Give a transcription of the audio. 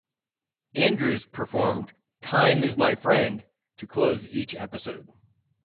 Andrews performed "Time Is My Friend" to close each episode.